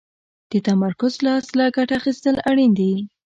د تمرکز له اصله ګټه اخيستل اړين دي.